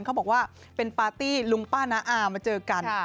เขาบอกว่าเป็นปาร์ตี้ลุงป้าน้าอามาเจอกัน